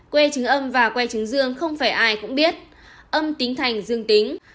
que chứng âm và que chứng dương không phải ai cũng biết âm tính thành dương tính